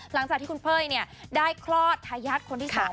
หลังจากที่คุณเปเลเนี่ยมีได้คลอดทายาทคนที่สองมาค่ะ